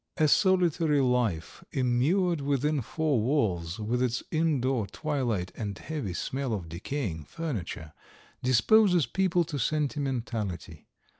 A solitary life, immured within four walls, with its indoor twilight and heavy smell of decaying furniture, disposes people to sentimentality.